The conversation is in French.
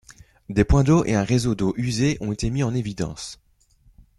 Des points d'eau et un réseau d'eau usée ont été mis en évidence.